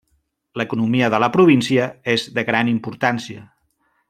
L'economia de la província és de gran importància.